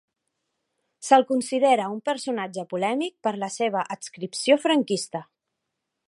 Se'l considera un personatge polèmic per la seva adscripció franquista.